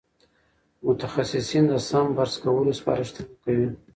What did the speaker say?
متخصصین د سم برس کولو سپارښتنه کوي.